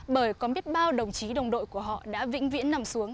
bởi có biết bao đồng chí đồng đội của họ đã vĩnh viễn nằm xuống